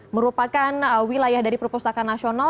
merupakan wilayah dari perpustakaan nasional